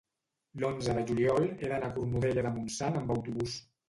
l'onze de juliol he d'anar a Cornudella de Montsant amb autobús.